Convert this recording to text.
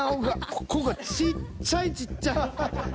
ここがちっちゃいちっちゃい。